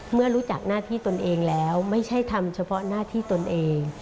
เมื่อรู้จักหน้าที่ตนเองแล้วไม่ใช่ทำเฉพาะหน้าที่ตนเอง